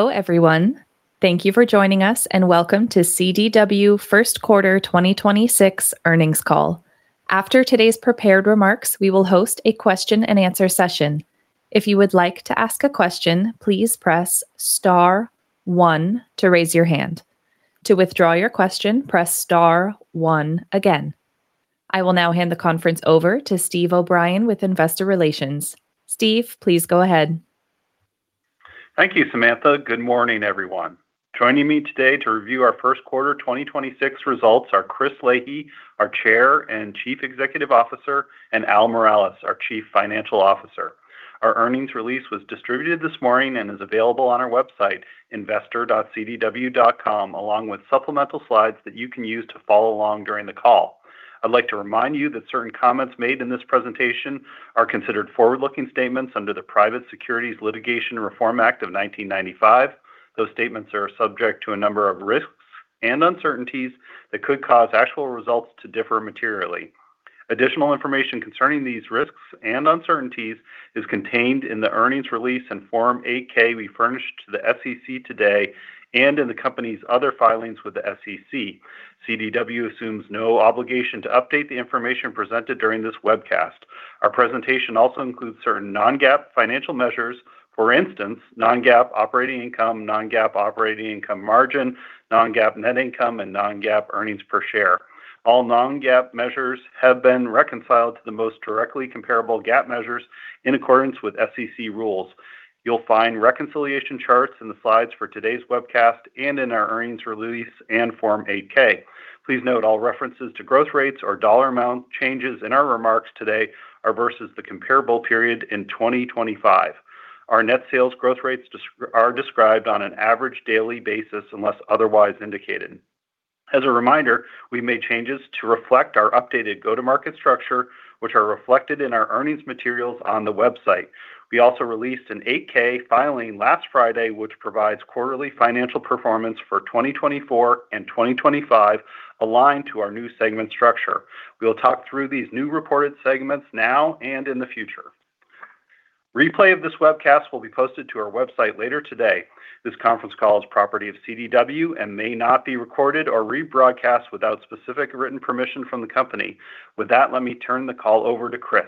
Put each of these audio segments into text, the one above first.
Hello, everyone. Thank you for joining us, and welcome to CDW First Quarter 2026 Earnings Call. After today's prepared remarks, we will host a question and answer session. If you would like to ask a question, please press star one to raise your hand. To withdraw your question, press star one again. I will now hand the conference over to Steve O'Brien with Investor Relations. Steve, please go ahead. Thank you, Samantha. Good morning, everyone. Joining me today to review our first quarter 2026 results are Chris Leahy, our Chair and Chief Executive Officer, and Al Miralles, our Chief Financial Officer. Our earnings release was distributed this morning and is available on our website, investor.cdw.com, along with supplemental slides that you can use to follow along during the call. I'd like to remind you that certain comments made in this presentation are considered forward-looking statements under the Private Securities Litigation Reform Act of 1995. Those statements are subject to a number of risks and uncertainties that could cause actual results to differ materially. Additional information concerning these risks and uncertainties is contained in the earnings release and Form 8-K we furnished to the SEC today, and in the company's other filings with the SEC. CDW assumes no obligation to update the information presented during this webcast. Our presentation also includes certain non-GAAP financial measures. For instance, non-GAAP operating income, non-GAAP operating income margin, non-GAAP net income, and non-GAAP earnings per share. All non-GAAP measures have been reconciled to the most directly comparable GAAP measures in accordance with SEC rules. You'll find reconciliation charts in the slides for today's webcast and in our earnings release and Form 8-K. Please note, all references to growth rates or dollar amount changes in our remarks today are versus the comparable period in 2025. Our net sales growth rates are described on an average daily basis unless otherwise indicated. As a reminder, we made changes to reflect our updated go-to-market structure, which are reflected in our earnings materials on the website. We also released an 8-K filing last Friday, which provides quarterly financial performance for 2024 and 2025 aligned to our new segment structure. We'll talk through these new reported segments now and in the future. Replay of this webcast will be posted to our website later today. This conference call is property of CDW and may not be recorded or rebroadcast without specific written permission from the company. With that, let me turn the call over to Chris.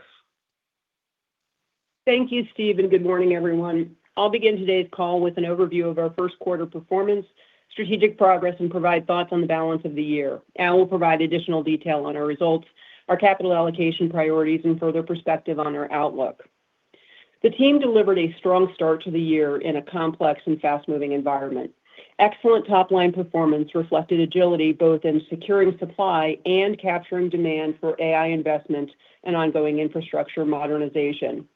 Thank you, Steve, and good morning, everyone. I'll begin today's call with an overview of our first quarter performance, strategic progress, and provide thoughts on the balance of the year. Al will provide additional detail on our results, our capital allocation priorities, and further perspective on our outlook. The team delivered a strong start to the year in a complex and fast-moving environment. Excellent top-line performance reflected agility both in securing supply and capturing demand for AI investment and ongoing infrastructure modernization.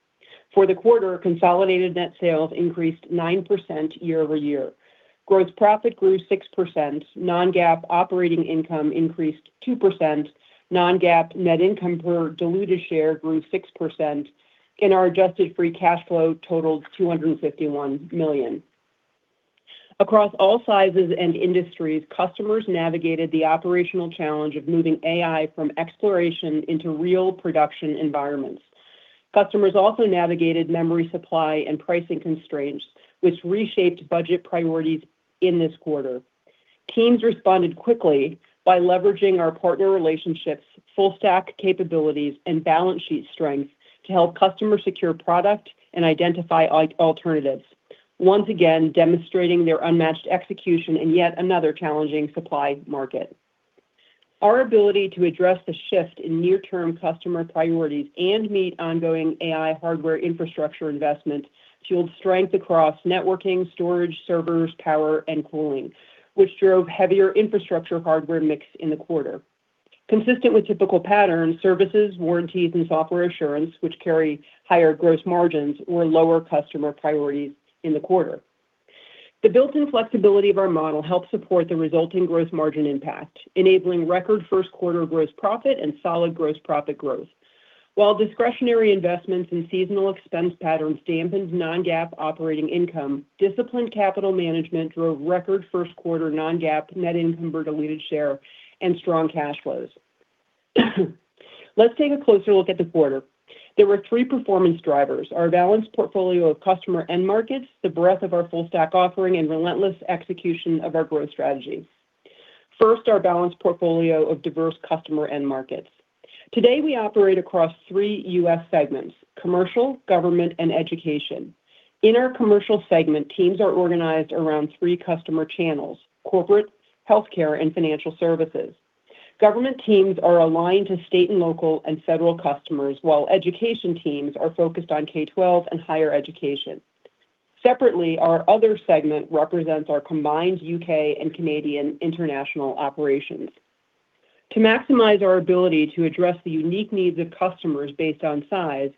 For the quarter, consolidated net sales increased 9% year-over-year. Gross profit grew 6%. Non-GAAP operating income increased 2%. Non-GAAP net income per diluted share grew 6%, and our adjusted free cash flow totaled $251 million. Across all sizes and industries, customers navigated the operational challenge of moving AI from exploration into real production environments. Customers also navigated memory supply and pricing constraints, which reshaped budget priorities in this quarter. Teams responded quickly by leveraging our partner relationships, full stack capabilities, and balance sheet strength to help customers secure product and identify alternatives, once again demonstrating their unmatched execution in yet another challenging supply market. Our ability to address the shift in near-term customer priorities and meet ongoing AI hardware infrastructure investment fueled strength across networking, storage, servers, power, and cooling, which drove heavier infrastructure hardware mix in the quarter. Consistent with typical patterns, services, warranties, and software assurance, which carry higher gross margins, were lower customer priorities in the quarter. The built-in flexibility of our model helped support the resulting gross margin impact, enabling record first quarter gross profit and solid gross profit growth. While discretionary investments and seasonal expense patterns dampened non-GAAP operating income, disciplined capital management drove record first quarter non-GAAP net income per diluted share and strong cash flows. Let's take a closer look at the quarter. There were three performance drivers: our balanced portfolio of customer end markets, the breadth of our full stack offering, and relentless execution of our growth strategy. First, our balanced portfolio of diverse customer end markets. Today, we operate across three U.S. segments: Commercial, Government, and Education. In our Commercial segment, teams are organized around three customer channels: Corporate, Healthcare, and Financial Services. Government teams are aligned to state and local and Federal customers, while Education teams are focused on K-12 and higher education. Separately, our Other segment represents our combined U.K. and Canadian international operations. To maximize our ability to address the unique needs of customers based on size,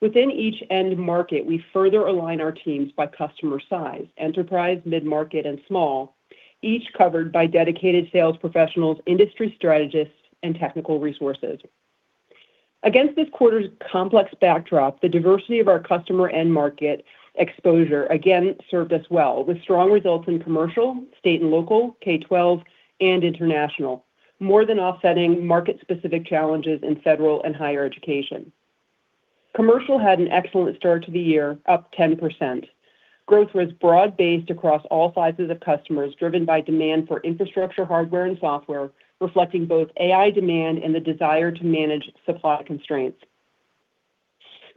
within each end market, we further align our teams by customer size, enterprise, mid-market, and small, each covered by dedicated sales professionals, industry strategists, and technical resources. Against this quarter's complex backdrop, the diversity of our customer end market exposure again served us well, with strong results in Commercial, State and Local, K-12, and International, more than offsetting market-specific challenges in Federal and Higher Education. Commercial had an excellent start to the year, up 10%. Growth was broad-based across all sizes of customers, driven by demand for infrastructure, hardware, and software, reflecting both AI demand and the desire to manage supply constraints.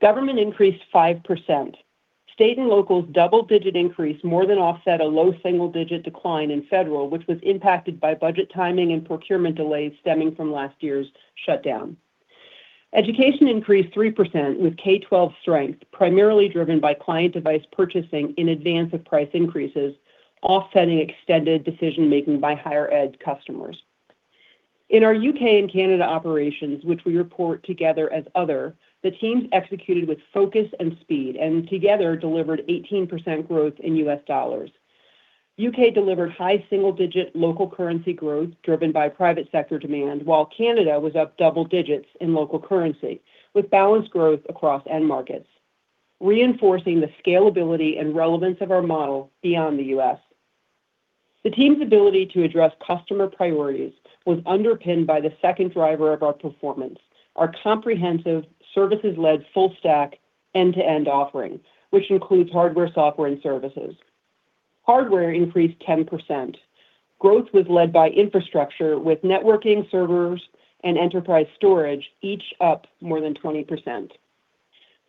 Government increased 5%. State and Local double-digit increase more than offset a low single-digit decline in Federal, which was impacted by budget timing and procurement delays stemming from last year's shutdown. Education increased 3% with K-12 strength, primarily driven by client device purchasing in advance of price increases, offsetting extended decision-making by higher ed customers. In our U.K. and Canada operations, which we report together as other, the teams executed with focus and speed, and together delivered 18% growth in U.S. dollars. U.K. delivered high single-digit local currency growth driven by private sector demand, while Canada was up double digits in local currency, with balanced growth across end markets, reinforcing the scalability and relevance of our model beyond the U.S. The team's ability to address customer priorities was underpinned by the second driver of our performance, our comprehensive services-led full stack end-to-end offering, which includes hardware, software, and services. Hardware increased 10%. Growth was led by infrastructure with networking, servers, and enterprise storage, each up more than 20%.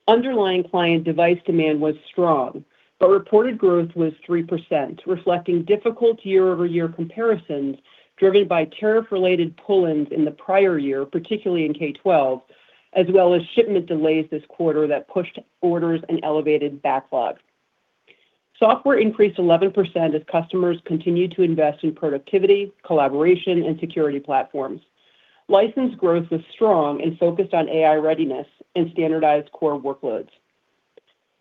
Underlying client device demand was strong, but reported growth was 3%, reflecting difficult year-over-year comparisons driven by tariff-related pull-ins in the prior year, particularly in K-12, as well as shipment delays this quarter that pushed orders and elevated backlogs. Software increased 11% as customers continued to invest in productivity, collaboration, and security platforms. License growth was strong and focused on AI readiness and standardized core workloads.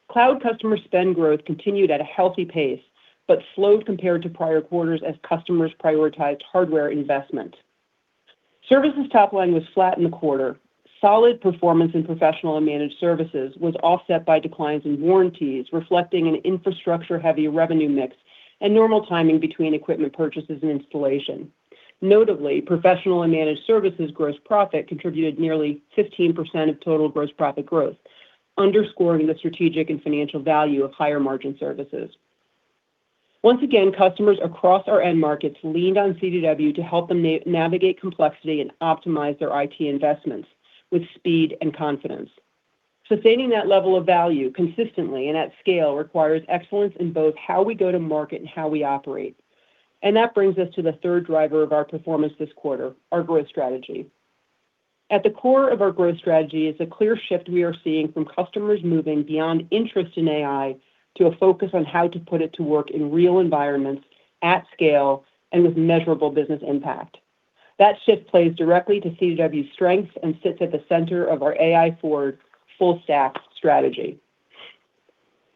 Cloud customer spend growth continued at a healthy pace, but slowed compared to prior quarters as customers prioritized hardware investment. Services top line was flat in the quarter. Solid performance in professional and managed services was offset by declines in warranties, reflecting an infrastructure-heavy revenue mix and normal timing between equipment purchases and installation. Notably, professional and managed services gross profit contributed nearly 15% of total gross profit growth, underscoring the strategic and financial value of higher margin services. Once again, customers across our end markets leaned on CDW to help them navigate complexity and optimize their IT investments with speed and confidence. Sustaining that level of value consistently and at scale requires excellence in both how we go to market and how we operate. That brings us to the third driver of our performance this quarter, our growth strategy. At the core of our growth strategy is a clear shift we are seeing from customers moving beyond interest in AI to a focus on how to put it to work in real environments at scale and with measurable business impact. That shift plays directly to CDW's strengths and sits at the center of our AI forward full stack strategy.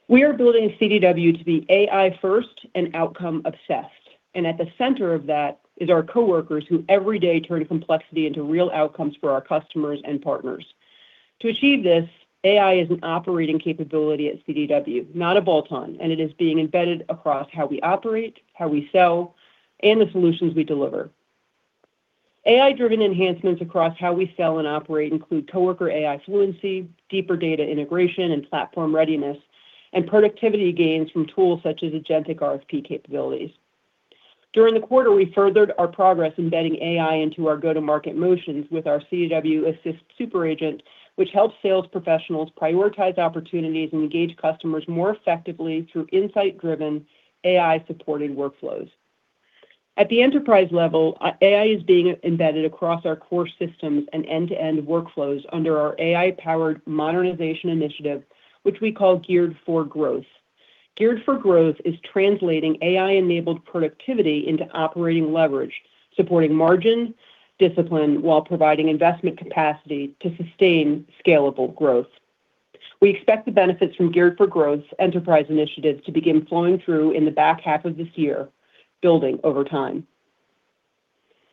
We are building CDW to be AI first and outcome obsessed, and at the center of that is our coworkers who every day turn complexity into real outcomes for our customers and partners. To achieve this, AI is an operating capability at CDW, not a bolt-on, and it is being embedded across how we operate, how we sell, and the solutions we deliver. AI-driven enhancements across how we sell and operate include coworker AI fluency, deeper data integration, and platform readiness, and productivity gains from tools such as agentic RFP capabilities. During the quarter, we furthered our progress embedding AI into our go-to-market motions with our CDW Assist Super Agent, which helps sales professionals prioritize opportunities and engage customers more effectively through insight-driven AI-supported workflows. At the enterprise level, AI is being embedded across our core systems and end-to-end workflows under our AI-powered modernization initiative, which we call Geared for Growth. Geared for Growth is translating AI-enabled productivity into operating leverage, supporting margin discipline while providing investment capacity to sustain scalable growth. We expect the benefits from Geared for Growth's enterprise initiatives to begin flowing through in the back half of this year, building over time.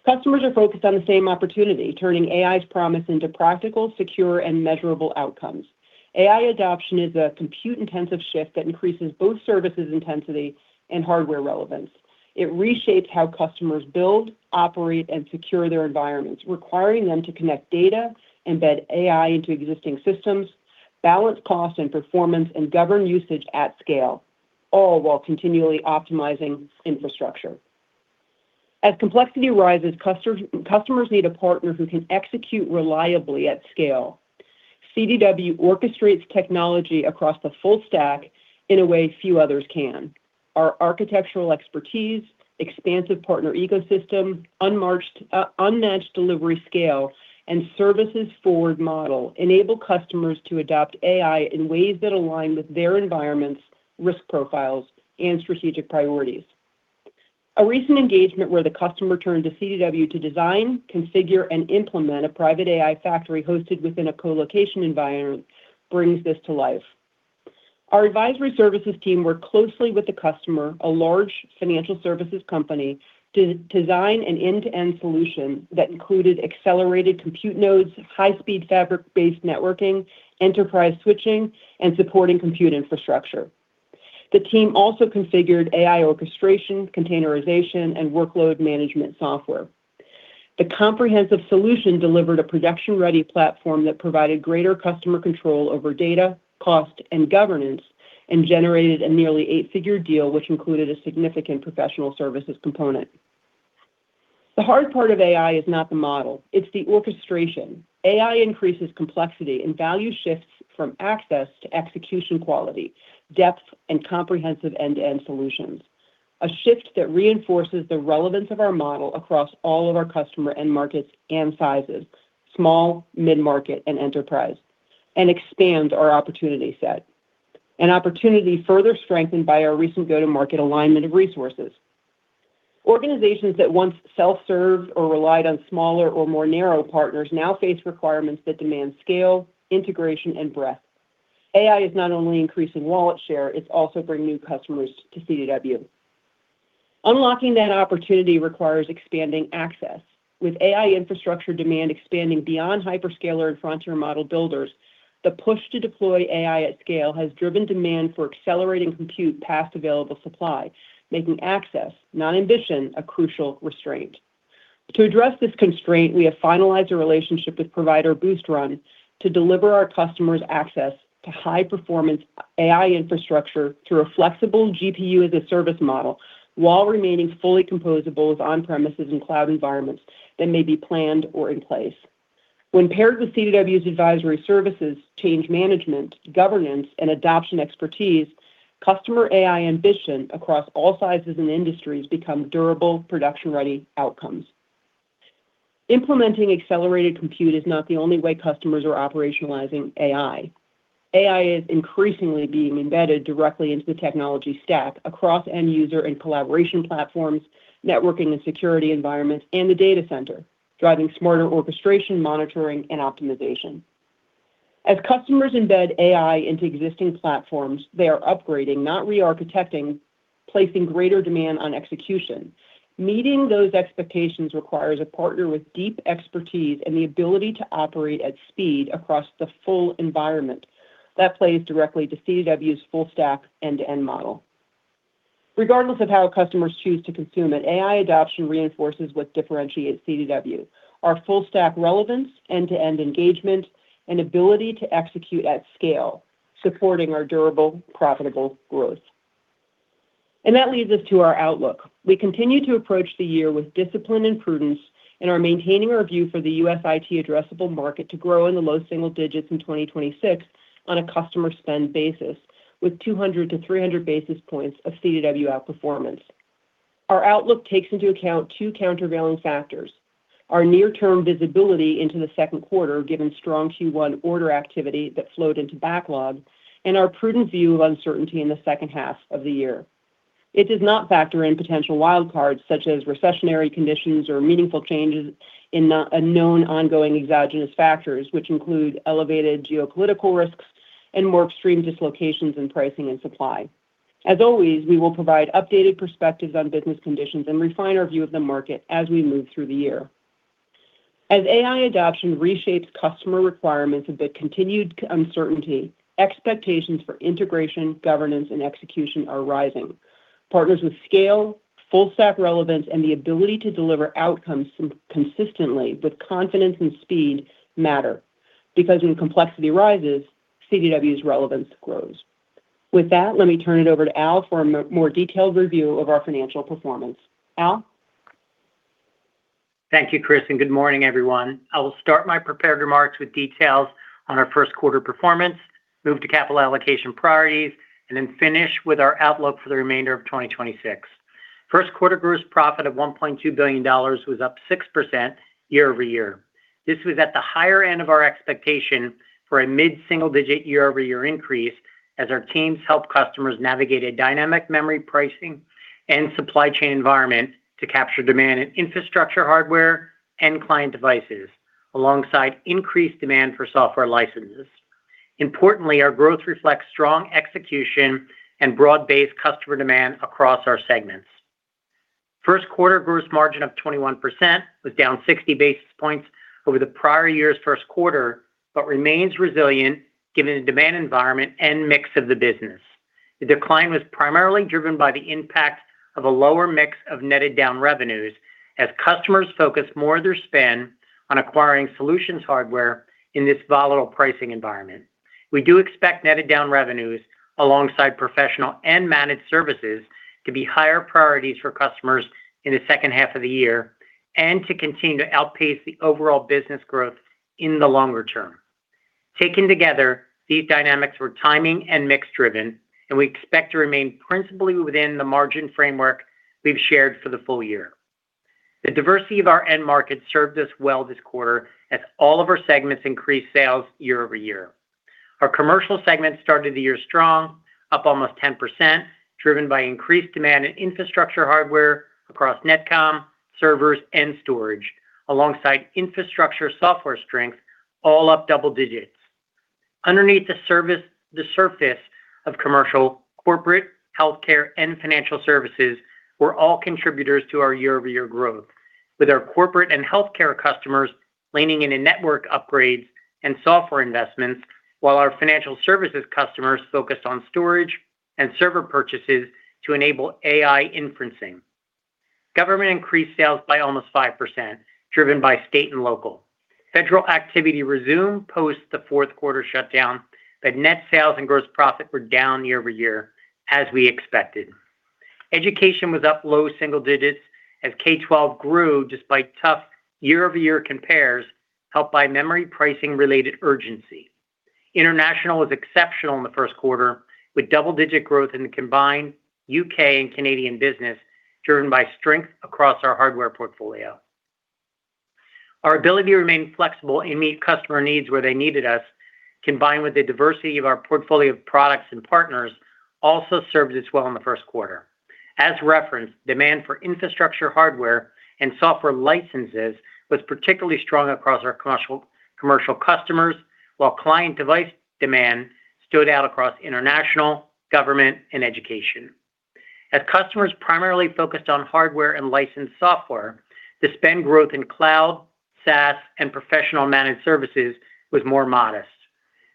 Customers are focused on the same opportunity, turning AI's promise into practical, secure, and measurable outcomes. AI adoption is a compute-intensive shift that increases both services intensity and hardware relevance. It reshapes how customers build, operate, and secure their environments, requiring them to connect data, embed AI into existing systems, balance cost and performance, and govern usage at scale, all while continually optimizing infrastructure. As complexity rises, customers need a partner who can execute reliably at scale. CDW orchestrates technology across the full stack in a way few others can. Our architectural expertise, expansive partner ecosystem, unmatched delivery scale, and services-forward model enable customers to adopt AI in ways that align with their environments, risk profiles, and strategic priorities. A recent engagement where the customer turned to CDW to design, configure, and implement a private AI factory hosted within a co-location environment brings this to life. Our advisory services team worked closely with the customer, a large financial services company, to design an end-to-end solution that included accelerated compute nodes, high-speed fabric-based networking, enterprise switching, and supporting compute infrastructure. The team also configured AI orchestration, containerization, and workload management software. The comprehensive solution delivered a production-ready platform that provided greater customer control over data, cost, and governance, and generated a nearly eight-figure deal, which included a significant professional services component. The hard part of AI is not the model, it's the orchestration. Value shifts from access to execution quality, depth, and comprehensive end-to-end solutions. A shift that reinforces the relevance of our model across all of our customer end markets and sizes, small, mid-market, and enterprise, and expands our opportunity set. An opportunity further strengthened by our recent go-to-market alignment of resources. Organizations that once self-served or relied on smaller or more narrow partners now face requirements that demand scale, integration, and breadth. AI is not only increasing wallet share, it's also bringing new customers to CDW. Unlocking that opportunity requires expanding access. With AI infrastructure demand expanding beyond hyperscaler and frontier model builders, the push to deploy AI at scale has driven demand for accelerating compute past available supply, making access, not ambition, a crucial restraint. To address this constraint, we have finalized a relationship with provider Boost Run to deliver our customers access to high-performance AI infrastructure through a flexible GPU-as-a-service model, while remaining fully composable with on-premises and cloud environments that may be planned or in place. When paired with CDW's advisory services, change management, governance, and adoption expertise, customer AI ambition across all sizes and industries become durable production-ready outcomes. Implementing accelerated compute is not the only way customers are operationalizing AI. AI is increasingly being embedded directly into the technology stack across end user and collaboration platforms, networking and security environments, and the data center, driving smarter orchestration, monitoring, and optimization. As customers embed AI into existing platforms, they are upgrading, not re-architecting, placing greater demand on execution. Meeting those expectations requires a partner with deep expertise and the ability to operate at speed across the full environment. That plays directly to CDW's full stack end-to-end model. Regardless of how customers choose to consume it, AI adoption reinforces what differentiates CDW. Our full stack relevance, end-to-end engagement, and ability to execute at scale, supporting our durable, profitable growth. That leads us to our outlook. We continue to approach the year with discipline and prudence, and are maintaining our view for the U.S. IT addressable market to grow in the low single digits in 2026 on a customer spend basis, with 200 to 300 basis points of CDW outperformance. Our outlook takes into account two countervailing factors. Our near-term visibility into the second quarter, given strong Q1 order activity that flowed into backlog, and our prudent view of uncertainty in the second half of the year. It does not factor in potential wild cards, such as recessionary conditions or meaningful changes in a known ongoing exogenous factors, which include elevated geopolitical risks and more extreme dislocations in pricing and supply. As always, we will provide updated perspectives on business conditions and refine our view of the market as we move through the year. As AI adoption reshapes customer requirements amid continued uncertainty, expectations for integration, governance, and execution are rising. Partners with scale, full stack relevance, and the ability to deliver outcomes consistently with confidence and speed matter. Because when complexity rises, CDW's relevance grows. With that, let me turn it over to Al for a more detailed review of our financial performance. Al? Thank you, Chris, good morning, everyone. I will start my prepared remarks with details on our first quarter performance, move to capital allocation priorities, and then finish with our outlook for the remainder of 2026. First quarter gross profit of $1.2 billion was up 6% year-over-year. This was at the higher end of our expectation for a mid-single digit year-over-year increase as our teams helped customers navigate a dynamic memory pricing and supply chain environment to capture demand in infrastructure, hardware, and client devices, alongside increased demand for software licenses. Importantly, our growth reflects strong execution and broad-based customer demand across our segments. First quarter gross margin of 21% was down 60 basis points over the prior year's first quarter, but remains resilient given the demand environment and mix of the business. The decline was primarily driven by the impact of a lower mix of netted down revenues as customers focus more of their spend on acquiring solutions hardware in this volatile pricing environment. We do expect netted down revenues alongside professional and managed services to be higher priorities for customers in the second half of the year, and to continue to outpace the overall business growth in the longer term. Taken together, these dynamics were timing and mix-driven, and we expect to remain principally within the margin framework we've shared for the full year. The diversity of our end markets served us well this quarter as all of our segments increased sales year-over-year. Our Commercial segment started the year strong, up almost 10%, driven by increased demand in infrastructure hardware across NetCom, servers, and storage, alongside infrastructure software strength, all up double digits. Underneath the surface of commercial, corporate, healthcare, and financial services were all contributors to our year-over-year growth, with our corporate and healthcare customers leaning into network upgrades and software investments, while our financial services customers focused on storage and server purchases to enable AI inferencing. Government increased sales by almost 5%, driven by state and local. Federal activity resumed post the fourth quarter shutdown. Net sales and gross profit were down year-over-year, as we expected. Education was up low single digits as K-12 grew despite tough year-over-year compares helped by memory pricing-related urgency. International was exceptional in the first quarter, with double-digit growth in the combined U.K. and Canadian business, driven by strength across our hardware portfolio. Our ability to remain flexible and meet customer needs where they needed us, combined with the diversity of our portfolio of products and partners, also served us well in the first quarter. As referenced, demand for infrastructure hardware and software licenses was particularly strong across our commercial customers, while client device demand stood out across international, government, and education. As customers primarily focused on hardware and licensed software, the spend growth in cloud, SaaS, and professional managed services was more modest.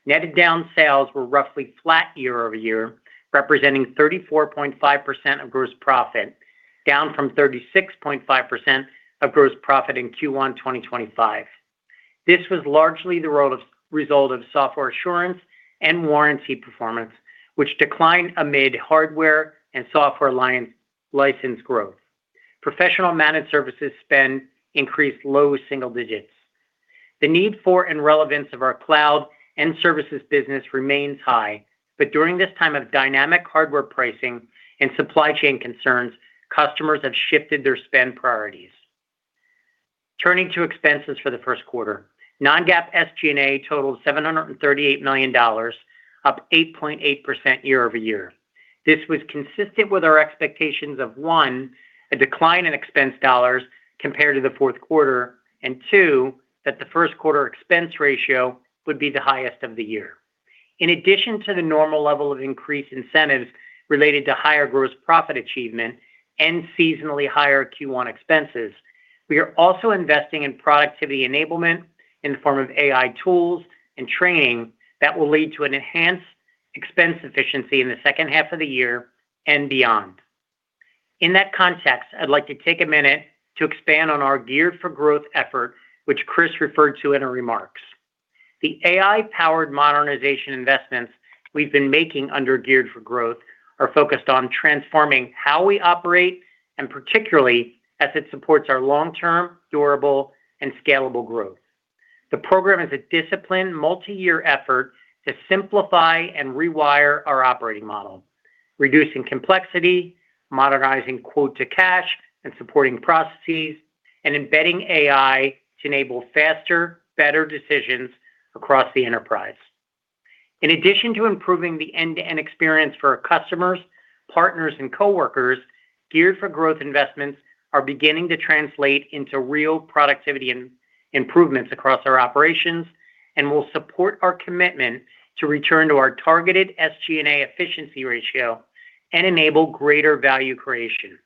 Netted down sales were roughly flat year-over-year, representing 34.5% of gross profit, down from 36.5% of gross profit in Q1 2025. This was largely the result of software assurance and warranty performance, which declined amid hardware and software license growth. Professional managed services spend increased low single digits. The need for and relevance of our cloud and services business remains high, but during this time of dynamic hardware pricing and supply chain concerns, customers have shifted their spend priorities. Turning to expenses for the first quarter, non-GAAP SG&A totaled $738 million, up 8.8% year-over-year. This was consistent with our expectations of, one, a decline in expense dollars compared to the fourth quarter, and two, that the first quarter expense ratio would be the highest of the year. In addition to the normal level of increased incentives related to higher gross profit achievement and seasonally higher Q1 expenses, we are also investing in productivity enablement in the form of AI tools and training that will lead to an enhanced expense efficiency in the second half of the year and beyond. In that context, I'd like to take a minute to expand on our Geared for Growth effort, which Chris referred to in her remarks. The AI-powered modernization investments we've been making under Geared for Growth are focused on transforming how we operate, and particularly as it supports our long-term, durable, and scalable growth. The program is a disciplined, multi-year effort to simplify and rewire our operating model, reducing complexity, modernizing quote-to-cash, and supporting processes, and embedding AI to enable faster, better decisions across the enterprise. In addition to improving the end-to-end experience for our customers, partners, and coworkers, Geared for Growth investments are beginning to translate into real productivity improvements across our operations, and will support our commitment to return to our targeted SG&A efficiency ratio and enable greater value creation.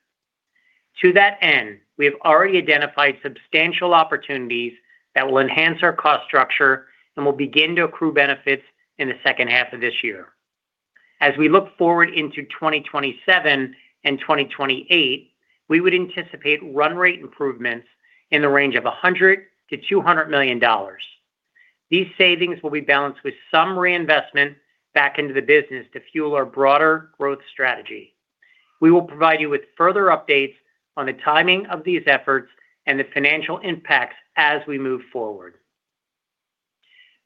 To that end, we have already identified substantial opportunities that will enhance our cost structure and will begin to accrue benefits in the second half of this year. As we look forward into 2027 and 2028, we would anticipate run rate improvements in the range of $100 million-$200 million. These savings will be balanced with some reinvestment back into the business to fuel our broader growth strategy. We will provide you with further updates on the timing of these efforts and the financial impacts as we move forward.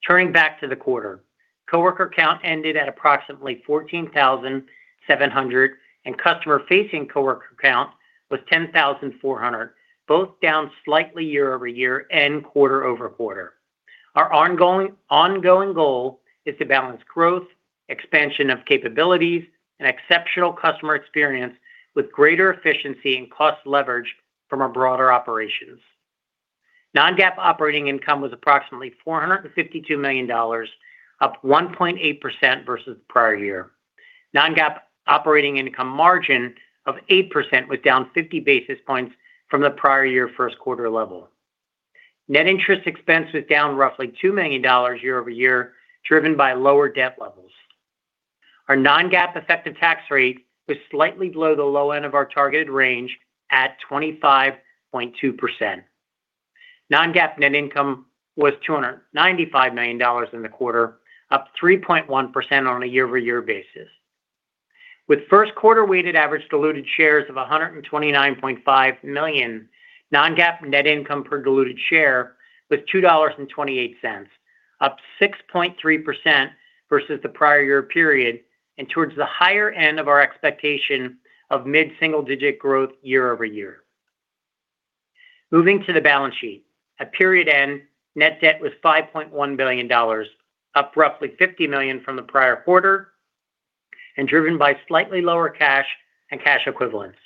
Turning back to the quarter, coworker count ended at approximately 14,700, and customer-facing coworker count was 10,400, both down slightly year-over-year and quarter-over-quarter. Our ongoing goal is to balance growth, expansion of capabilities, and exceptional customer experience with greater efficiency and cost leverage from our broader operations. Non-GAAP operating income was approximately $452 million, up 1.8% versus the prior year. Non-GAAP operating income margin of 8% was down 50 basis points from the prior year first quarter level. Net interest expense was down roughly $2 million year-over-year, driven by lower debt levels. Our non-GAAP effective tax rate was slightly below the low end of our targeted range at 25.2%. Non-GAAP net income was $295 million in the quarter, up 3.1% on a year-over-year basis. With first quarter weighted average diluted shares of 129.5 million, non-GAAP net income per diluted share was $2.28, up 6.3% versus the prior year period and towards the higher end of our expectation of mid-single-digit growth year-over-year. Moving to the balance sheet, at period end, net debt was $5.1 billion, up roughly $50 million from the prior quarter and driven by slightly lower cash and cash equivalents.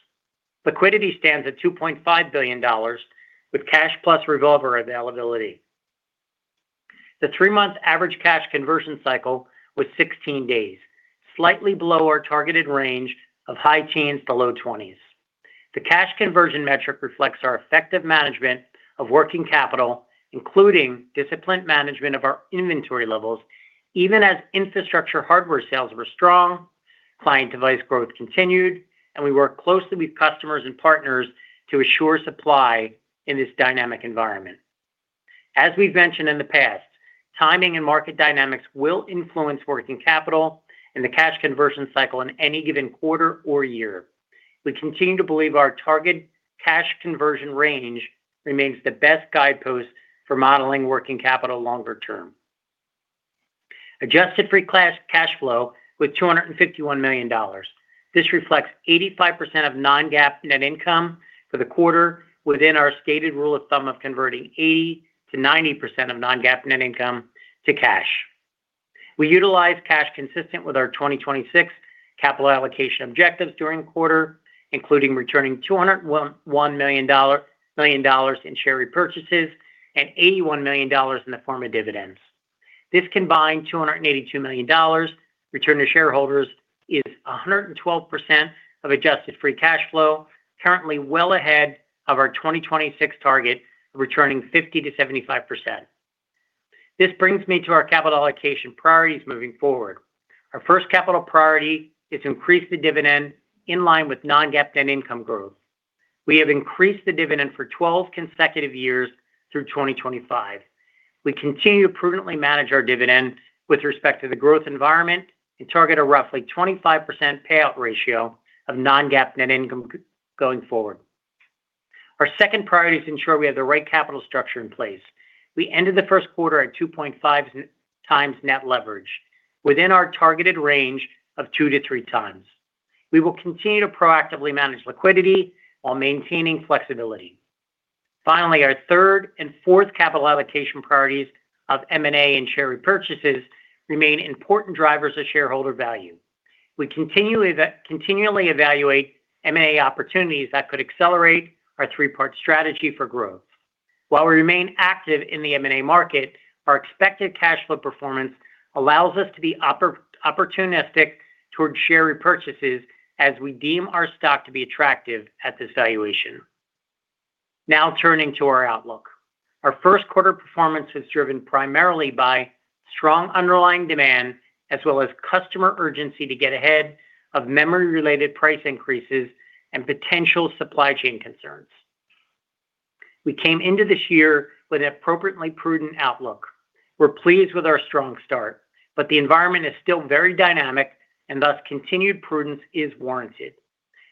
Liquidity stands at $2.5 billion with cash plus revolver availability. The three-month average cash conversion cycle was 16 days, slightly below our targeted range of high teens to low twenties. The cash conversion metric reflects our effective management of working capital, including disciplined management of our inventory levels, even as infrastructure hardware sales were strong, client device growth continued, and we work closely with customers and partners to assure supply in this dynamic environment. As we've mentioned in the past, timing and market dynamics will influence working capital in the cash conversion cycle in any given quarter or year. We continue to believe our target cash conversion range remains the best guidepost for modeling working capital longer term. Adjusted free cash flow with $251 million. This reflects 85% of non-GAAP net income for the quarter within our stated rule of thumb of converting 80%-90% of non-GAAP net income to cash. We utilize cash consistent with our 2026 capital allocation objectives during the quarter, including returning $201 million in share repurchases and $81 million in the form of dividends. This combined $282 million return to shareholders is 112% of adjusted free cash flow, currently well ahead of our 2026 target, returning 50%-75%. This brings me to our capital allocation priorities moving forward. Our first capital priority is to increase the dividend in line with non-GAAP net income growth. We have increased the dividend for 12 consecutive years through 2025. We continue to prudently manage our dividend with respect to the growth environment and target a roughly 25% payout ratio of non-GAAP net income going forward. Our second priority is ensure we have the right capital structure in place. We ended the first quarter at 2.5x net leverage, within our targeted range of 2-3x. We will continue to proactively manage liquidity while maintaining flexibility. Finally, our third and fourth capital allocation priorities of M&A and share repurchases remain important drivers of shareholder value. We continually evaluate M&A opportunities that could accelerate our three-part strategy for growth. While we remain active in the M&A market, our expected cash flow performance allows us to be opportunistic towards share repurchases as we deem our stock to be attractive at this valuation. Now turning to our outlook. Our first quarter performance was driven primarily by strong underlying demand as well as customer urgency to get ahead of memory-related price increases and potential supply chain concerns. We came into this year with an appropriately prudent outlook. We're pleased with our strong start, the environment is still very dynamic and thus continued prudence is warranted.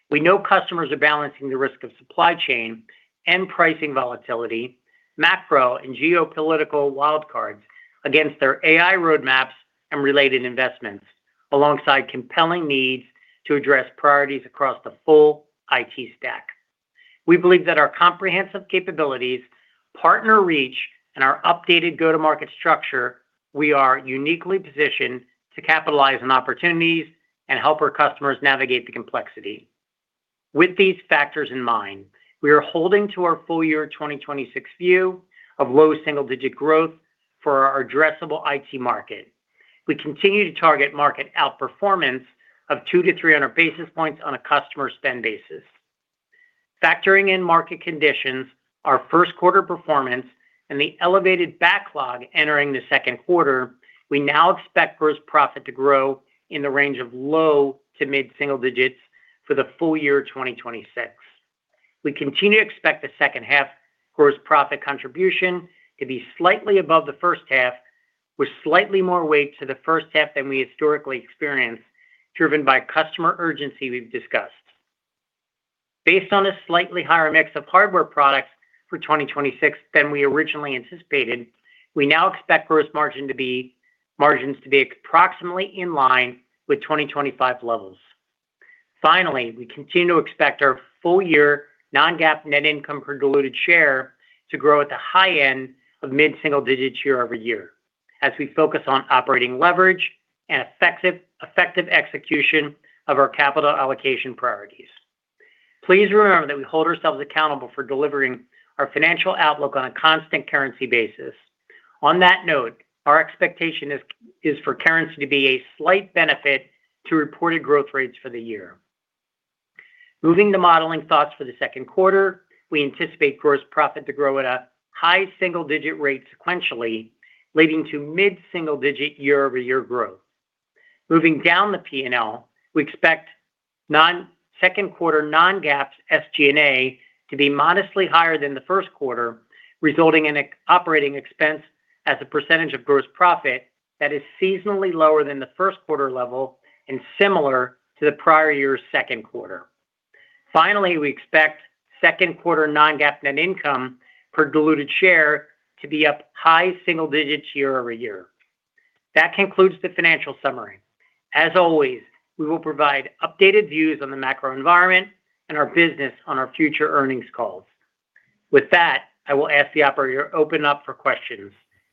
We know customers are balancing the risk of supply chain and pricing volatility, macro and geopolitical wild cards against their AI roadmaps and related investments, alongside compelling needs to address priorities across the full IT stack. We believe that our comprehensive capabilities, partner reach, and our updated go-to-market structure, we are uniquely positioned to capitalize on opportunities and help our customers navigate the complexity. With these factors in mind, we are holding to our full year 2026 view of low single-digit growth for our addressable IT market. We continue to target market outperformance of 200-300 basis points on a customer spend basis. Factoring in market conditions, our first quarter performance and the elevated backlog entering the second quarter, we now expect gross profit to grow in the range of low to mid-single digits for the full year 2026. We continue to expect the second half gross profit contribution to be slightly above the first half, with slightly more weight to the first half than we historically experienced, driven by customer urgency we've discussed. Based on a slightly higher mix of hardware products for 2026 than we originally anticipated, we now expect gross margins to be approximately in line with 2025 levels. Finally, we continue to expect our full year non-GAAP net income per diluted share to grow at the high end of mid-single digits year-over-year, as we focus on operating leverage and effective execution of our capital allocation priorities. Please remember that we hold ourselves accountable for delivering our financial outlook on a constant currency basis. On that note, our expectation is for currency to be a slight benefit to reported growth rates for the year. Moving to modeling thoughts for the second quarter, we anticipate gross profit to grow at a high single-digit rate sequentially, leading to mid-single-digit year-over-year growth. Moving down the P&L, we expect second quarter non-GAAP SG&A to be modestly higher than the first quarter, resulting in a operating expense as a percentage of gross profit that is seasonally lower than the first quarter level and similar to the prior year's second quarter. Finally, we expect second quarter non-GAAP net income per diluted share to be up high single digits year-over-year. That concludes the financial summary. As always, we will provide updated views on the macro environment and our business on our future earnings calls. With that, I will ask the operator to open up for questions.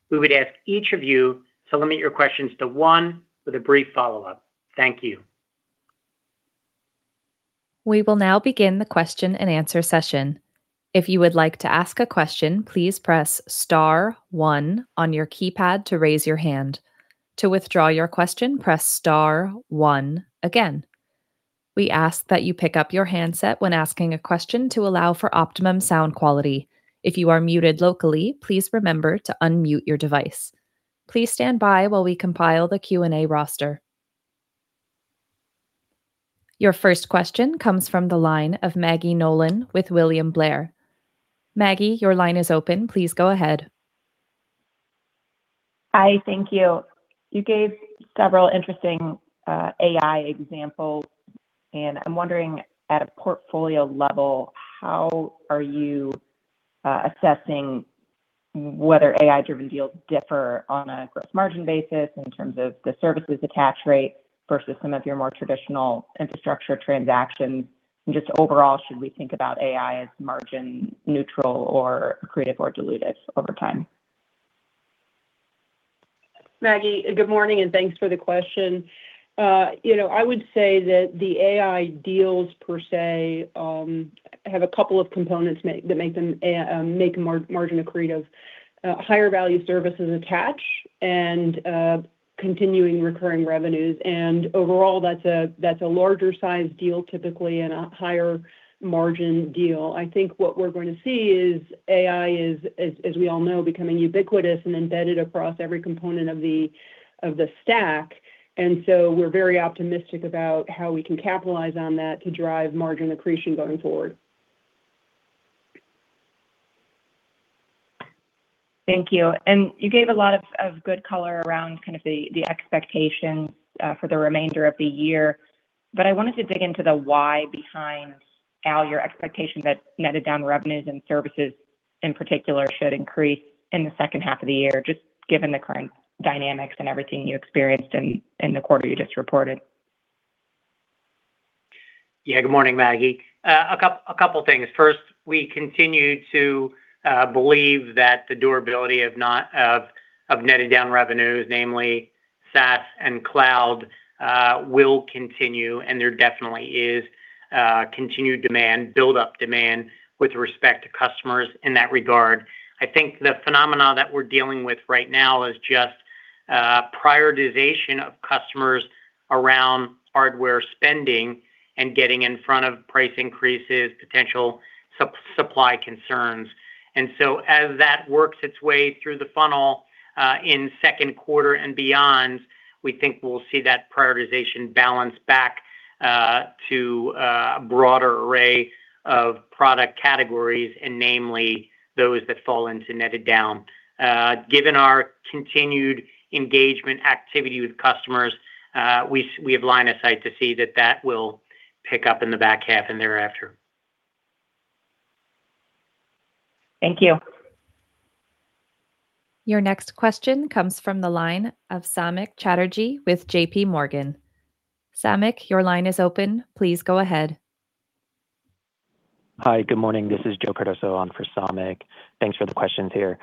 We would ask each of you to limit your questions to one with a brief follow-up. Thank you. Your first question comes from the line of Maggie Nolan with William Blair. Maggie, your line is open. Please go ahead. Hi. Thank you. You gave several interesting AI examples. I'm wondering at a portfolio level, how are you assessing whether AI-driven deals differ on a gross margin basis in terms of the services attach rate versus some of your more traditional infrastructure transactions? Just overall, should we think about AI as margin neutral or accretive or dilutive over time? Maggie, good morning, and thanks for the question. you know, I would say that the AI deals per se have a couple of components that make them margin accretive. Higher value services attach and continuing recurring revenues. Overall, that's a larger sized deal typically and a higher margin deal. I think what we're going to see is AI is, as we all know, becoming ubiquitous and embedded across every component of the stack. We're very optimistic about how we can capitalize on that to drive margin accretion going forward. Thank you. You gave a lot of good color around the expectations for the remainder of the year. I wanted to dig into the why behind Al, your expectation that netted down revenues and services in particular should increase in the second half of the year, just given the current dynamics and everything you experienced in the quarter you just reported. Good morning, Maggie. First, we continue to believe that the durability of netted down revenues, namely SaaS and cloud, will continue. There definitely is continued demand, buildup demand with respect to customers in that regard. I think the phenomena that we're dealing with right now is just prioritization of customers around hardware spending and getting in front of price increases, potential supply concerns. As that works its way through the funnel in second quarter and beyond, we think we'll see that prioritization balance back to a broader array of product categories, and namely those that fall into netted down. Given our continued engagement activity with customers, we have line of sight to see that that will pick up in the back half and thereafter. Thank you. Your next question comes from the line of Samik Chatterjee with JP Morgan. Samik, your line is open. Please go ahead. Hi. Good morning. This is Joseph Cardoso on for Samik. Thanks for the questions here.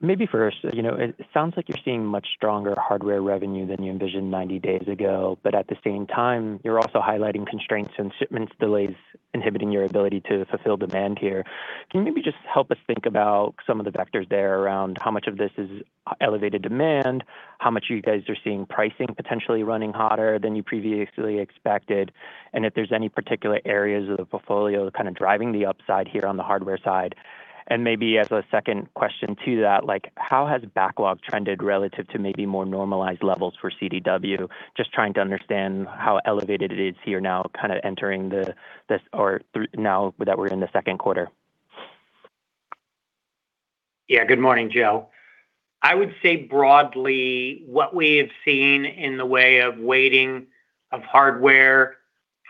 Maybe first, you know, it sounds like you're seeing much stronger hardware revenue than you envisioned 90 days ago. At the same time, you're also highlighting constraints and shipments delays inhibiting your ability to fulfill demand here. Can you maybe just help us think about some of the vectors there around how much of this is elevated demand, how much you guys are seeing pricing potentially running hotter than you previously expected, and if there's any particular areas of the portfolio kind of driving the upside here on the hardware side? Maybe as a second question to that, like how has backlog trended relative to maybe more normalized levels for CDW? Just trying to understand how elevated it is here now kind of entering this or through now that we're in the second quarter. Good morning, Joe. I would say broadly what we have seen in the way of weighting of hardware,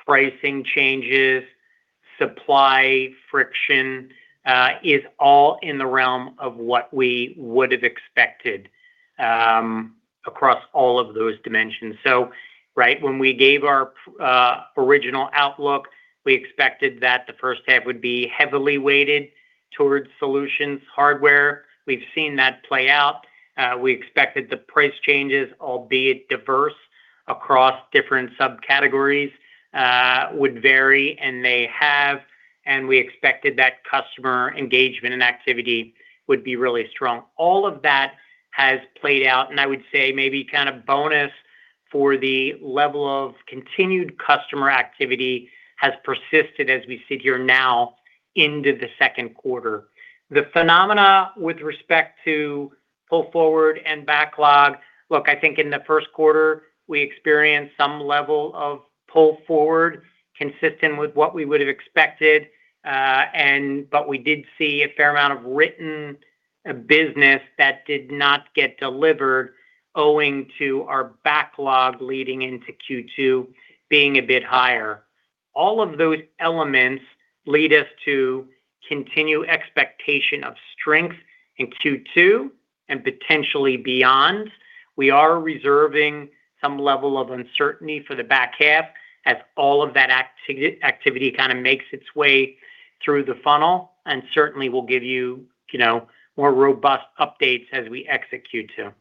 pricing changes, supply friction is all in the realm of what we would have expected across all of those dimensions. Right when we gave our original outlook, we expected that the first half would be heavily weighted towards solutions hardware. We've seen that play out. We expected the price changes, albeit diverse across different subcategories, would vary, and they have, and we expected that customer engagement and activity would be really strong. All of that has played out, and I would say maybe kind of bonus for the level of continued customer activity has persisted as we sit here now into the second quarter. The phenomena with respect to pull forward and backlog. Look, I think in the first quarter, we experienced some level of pull forward consistent with what we would have expected. We did see a fair amount of written business that did not get delivered owing to our backlog leading into Q2 being a bit higher. All of those elements lead us to continue expectation of strength in Q2 and potentially beyond. We are reserving some level of uncertainty for the back half as all of that activity kind of makes its way through the funnel, and certainly we'll give you know, more robust updates as we execute to.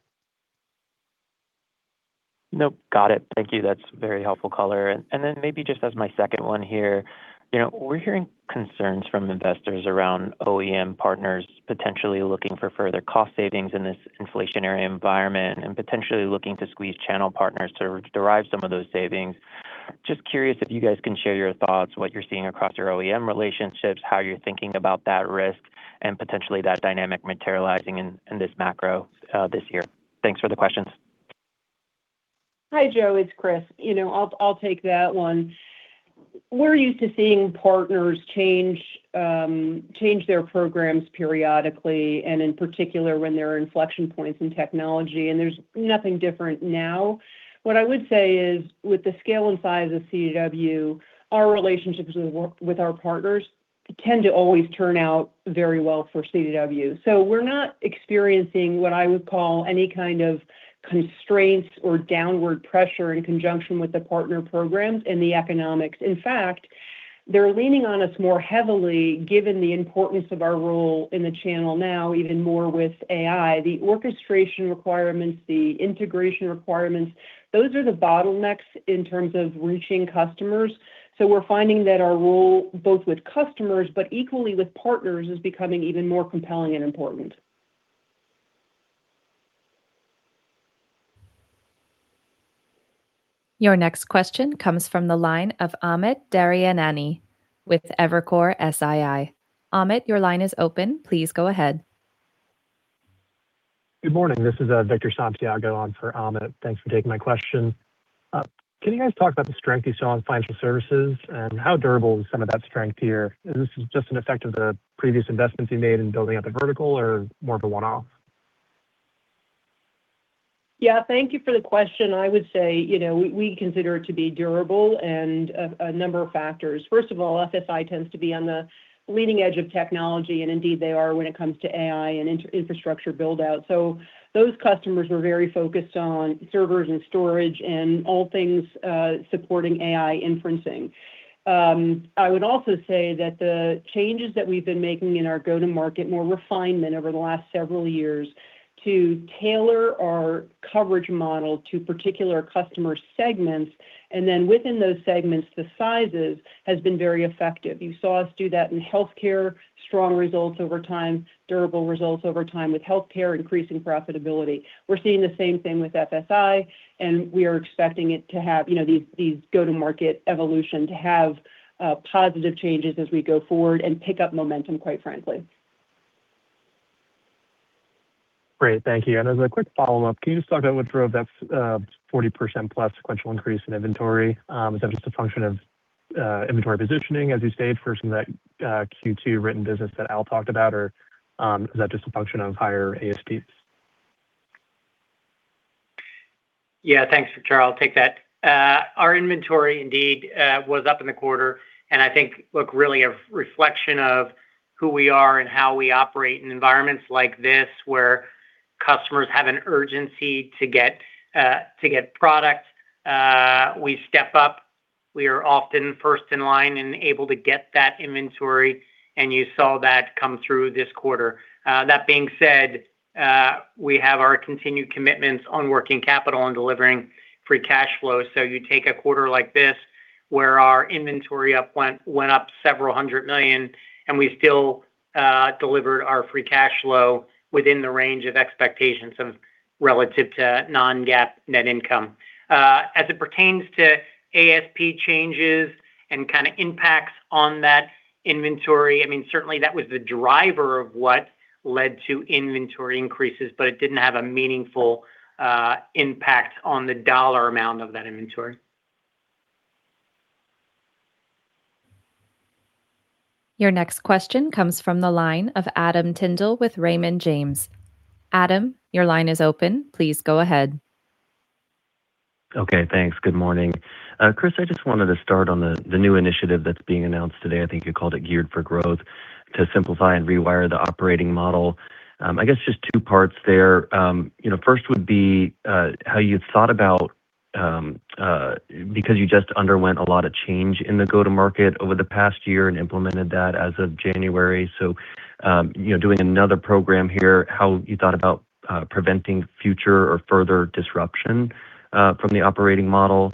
Nope. Got it. Thank you. That's very helpful color. Then maybe just as my second one here, you know, we're hearing concerns from investors around OEM partners potentially looking for further cost savings in this inflationary environment and potentially looking to squeeze channel partners to derive some of those savings. Just curious if you guys can share your thoughts, what you're seeing across your OEM relationships, how you're thinking about that risk, and potentially that dynamic materializing in this macro this year. Thanks for the questions. Hi, Joe, it's Chris. You know, I'll take that one. We're used to seeing partners change their programs periodically, and in particular, when there are inflection points in technology, and there's nothing different now. What I would say is, with the scale and size of CDW, our relationships with our partners tend to always turn out very well for CDW. We're not experiencing what I would call any kind of constraints or downward pressure in conjunction with the partner programs and the economics. In fact, they're leaning on us more heavily, given the importance of our role in the channel now, even more with AI. The orchestration requirements, the integration requirements, those are the bottlenecks in terms of reaching customers. We're finding that our role, both with customers, but equally with partners, is becoming even more compelling and important. Your next question comes from the line of Amit Daryanani with Evercore ISI. Amit, your line is open. Please go ahead. Good morning. This is Victor Santiago on for Amit. Thanks for taking my question. Can you guys talk about the strength you saw in financial services and how durable is some of that strength here? Is this just an effect of the previous investments you made in building out the vertical or more of a one-off? Yeah, thank you for the question. I would say, you know, we consider it to be durable, and a number of factors. First of all, FSI tends to be on the leading edge of technology, and indeed they are when it comes to AI and infrastructure build-out. Those customers are very focused on servers and storage and all things supporting AI inferencing. I would also say that the changes that we've been making in our go-to-market, more refinement over the last several years to tailor our coverage model to particular customer segments, and then within those segments, the sizes, has been very effective. You saw us do that in healthcare, strong results over time, durable results over time with healthcare increasing profitability. We're seeing the same thing with FSI, and we are expecting it to have, you know, these go-to-market evolution to have positive changes as we go forward and pick up momentum, quite frankly. Great. Thank you. As a quick follow-up, can you just talk about what drove that 40%+ sequential increase in inventory? Is that just a function of inventory positioning, as you stated, for some of that Q2 written business that Al talked about, or is that just a function of higher ASPs? Yeah. Thanks, Victor. I'll take that. Our inventory indeed was up in the quarter. I think, look, really a reflection of who we are and how we operate in environments like this, where customers have an urgency to get product. We step up. We are often first in line and able to get that inventory. You saw that come through this quarter. That being said, we have our continued commitments on working capital and delivering free cash flow. You take a quarter like this, where our inventory went up several hundred million. We still delivered our free cash flow within the range of expectations of relative to non-GAAP net income. As it pertains to ASP changes and kinda impacts on that inventory, I mean, certainly that was the driver of what led to inventory increases, but it didn't have a meaningful impact on the dollar amount of that inventory. Your next question comes from the line of Adam Tindle with Raymond James. Adam, your line is open. Please go ahead. Okay. Thanks. Good morning. Chris, I just wanted to start on the new initiative that's being announced today. I think you called it Geared for Growth, to simplify and rewire the operating model. I guess just two parts there. You know, first would be how you thought about because you just underwent a lot of change in the go-to-market over the past year and implemented that as of January. You know, doing another program here, how you thought about preventing future or further disruption from the operating model.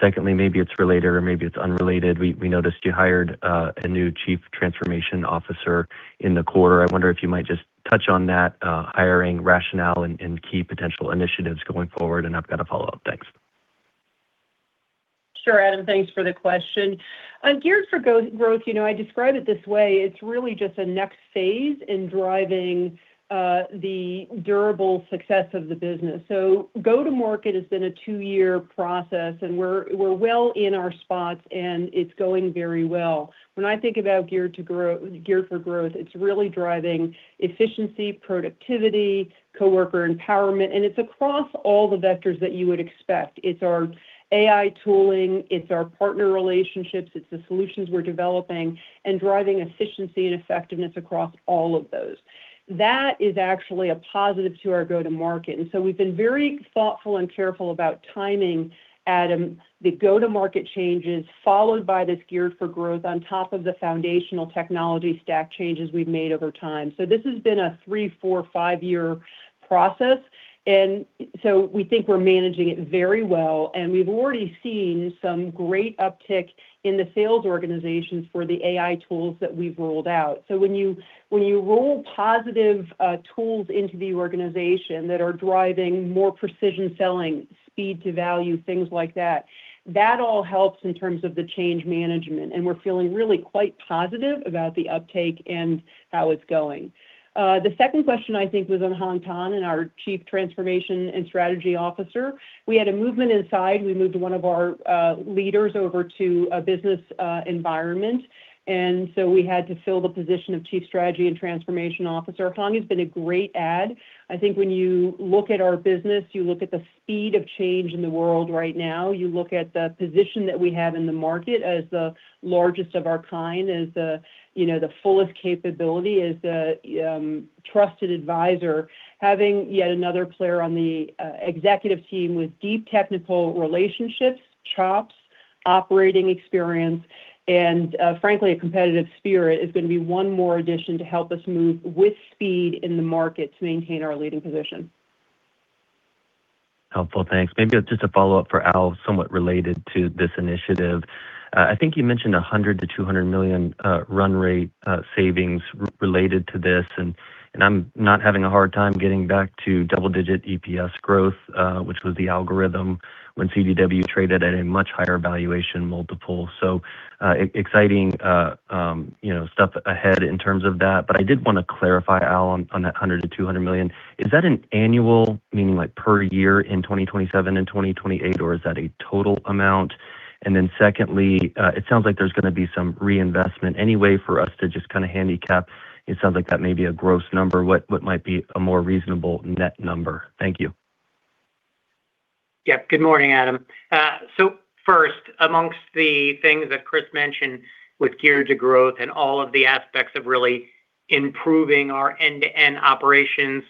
Secondly, maybe it's related or maybe it's unrelated, we noticed you hired a new Chief Transformation Officer in the quarter. I wonder if you might just touch on that hiring rationale and key potential initiatives going forward. I've got a follow-up. Thanks. Sure, Adam. Thanks for the question. Geared for Growth, you know, I describe it this way: it's really just a next phase in driving the durable success of the business. Go-to-market has been a two-year process, and we're well in our spots, and it's going very well. When I think about geared for growth, it's really driving efficiency, productivity, coworker empowerment, and it's across all the vectors that you would expect. It's our AI tooling, it's our partner relationships, it's the solutions we're developing and driving efficiency and effectiveness across all of those. That is actually a positive to our go-to-market. We've been very thoughtful and careful about timing, Adam, the go-to-market changes, followed by this Geared for Growth on top of the foundational technology stack changes we've made over time. This has been a three, four, five-year process. We think we're managing it very well, and we've already seen some great uptick in the sales organizations for the AI tools that we've rolled out. When you roll positive tools into the organization that are driving more precision selling, speed to value, things like that all helps in terms of the change management. We're feeling really quite positive about the uptake and how it's going. The second question, I think, was on Hang Tan and our Chief Transformation and Strategy Officer. We had a movement inside. We moved one of our leaders over to a business environment. We had to fill the position of Chief Strategy and Transformation Officer. Hang has been a great add. I think when you look at our business, you look at the speed of change in the world right now, you look at the position that we have in the market as the largest of our kind, as the, you know, the fullest capability, as the trusted advisor, having yet another player on the executive team with deep technical relationships, chops, operating experience, and, frankly, a competitive spirit is gonna be one more addition to help us move with speed in the market to maintain our leading position. Helpful. Thanks. Maybe just a follow-up for Al, somewhat related to this initiative. I think you mentioned $100 million-$200 million run rate savings related to this. I'm not having a hard time getting back to double-digit EPS growth, which was the algorithm when CDW traded at a much higher valuation multiple. Exciting, you know, stuff ahead in terms of that. I did want to clarify, Al, on that $100 million-$200 million. Is that an annual, meaning like per year in 2027 and 2028, or is that a total amount? Then secondly, it sounds like there's going to be some reinvestment. Any way for us to just kinda handicap. It sounds like that may be a gross number. What might be a more reasonable net number? Thank you. Yep. Good morning, Adam. First, amongst the things that Chris mentioned with Geared for Growth and all of the aspects of really improving our end-to-end operations,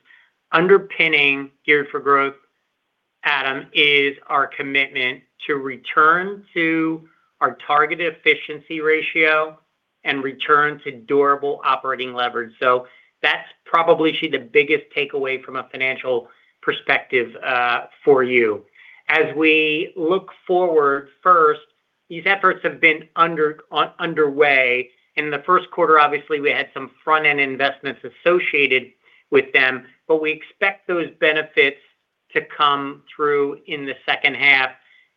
underpinning Geared for Growth, Adam, is our commitment to return to our targeted efficiency ratio and return to durable operating leverage. That's probably the biggest takeaway from a financial perspective for you. As we look forward, first, these efforts have been underway. In the first quarter, obviously, we had some front-end investments associated with them, but we expect those benefits to come through in the second half,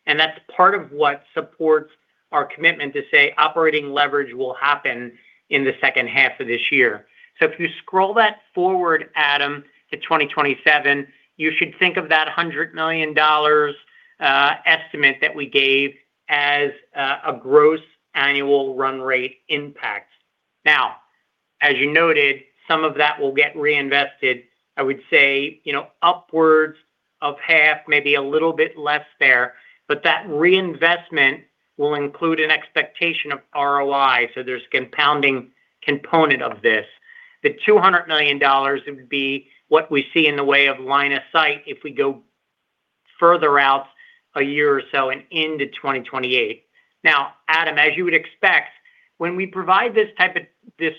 and that's part of what supports our commitment to say operating leverage will happen in the second half of this year. If you scroll that forward, Adam, to 2027, you should think of that $100 million estimate that we gave as a gross annual run rate impact. As you noted, some of that will get reinvested. I would say, you know, upwards of half, maybe a little bit less there, but that reinvestment will include an expectation of ROI, so there's compounding component of this. The $200 million would be what we see in the way of line of sight if we go further out a year or so and into 2028. Adam, as you would expect, when we provide this type of